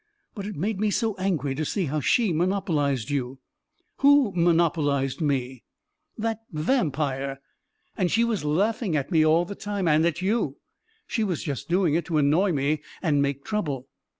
" But it made me so angry to see how she monop olized you ..."" Who monopolized me ?" A KING IN BABYLON 361 " That — vampire ! And she was laughing at me all the time — and at you. She was just doing it to annoy me and make trouble